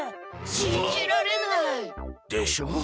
しんじられない。でしょう？